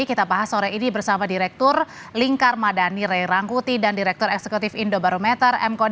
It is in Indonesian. kita bahas sore ini bersama direktur lingkar madani ray rangkuti dan direktur eksekutif indobarometer m